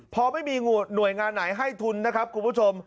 พอไม่มีหน่วยงานไหนให้ทุนนะครับคุณผู้ชม